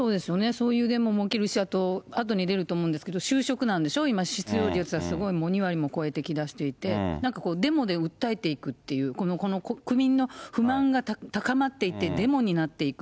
そういうデモも起きるし、あとに出ると思うんですけど就職難でしょう、今、失業率がすごい２割も超えてきだしていて、なんかデモで訴えていくっていう、この国民の不満が高まっていって、デモになっていく。